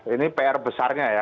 ini pr besarnya ya